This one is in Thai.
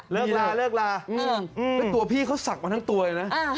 เลิกลาเลิกลาแต่ตัวพี่เค้าสักมาทั้งตัวเนี่ยนะ